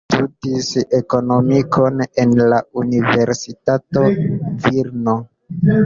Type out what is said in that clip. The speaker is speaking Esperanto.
Ŝi studis ekonomikon en la Universitato Vilno.